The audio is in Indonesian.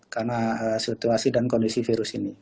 karena situasi dan kondisi virus ini